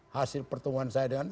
hasil pertemuan saya dengan